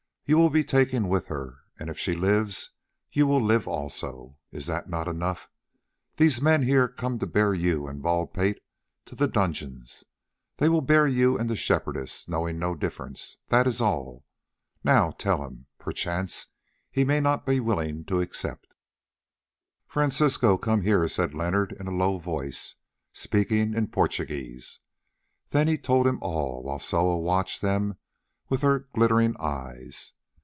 "You will be taken with her, and if she lives you will live also. Is that not enough? These men here come to bear you and Bald pate to the dungeons: they will bear you and the Shepherdess, knowing no difference, that is all. Now tell him; perchance he may not be willing to accept." "Francisco, come here," said Leonard in a low voice, speaking in Portuguese. Then he told him all, while Soa watched them with her glittering eyes.